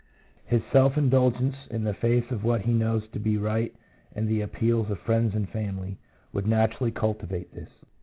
His self indulgence in the face of what he knows to be right and the appeals of friends and family, would naturally cultivate this.